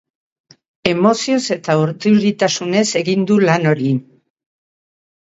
Emozioz eta urduritasunez egin du lan hori.